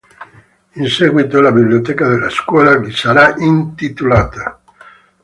In seguito la biblioteca della scuola gli sarà intitolata.